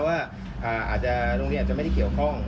ว่าอาจจะโรงเรียนอาจจะไม่ได้เกี่ยวข้อง